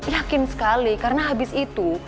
yakin sekali karena habis itu